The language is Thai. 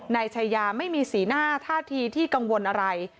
นายชายาไม่มีสีหน้าท่าทีที่กังวลอะไร